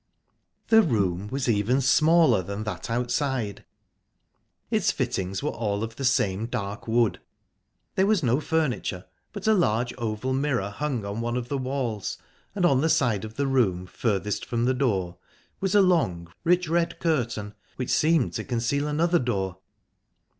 The room was even smaller than that outside. Its fittings were all of the same dark wood. There was no furniture, but a large oval mirror hung on one of the walls, and on the side of the room furthest from the door, was a long, rich red curtain, which seemed to conceal another door.